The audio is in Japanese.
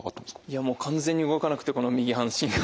いやもう完全に動かなくてこの右半身が。